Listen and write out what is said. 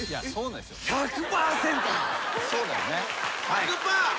１００％！？